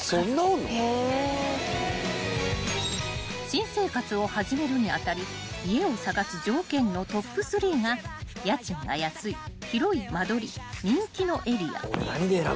［新生活を始めるに当たり家を探す条件のトップ３が家賃が安い広い間取り人気のエリア］